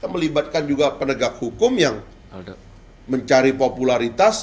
melibatkan juga penegak hukum yang mencari popularitas